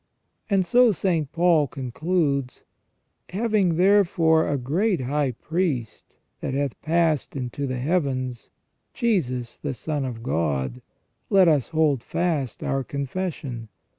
And so St. Paul concludes :" Having therefore a great high priest that hath passed into the heavens, Jesus the Son of God, let us hold fast our confession.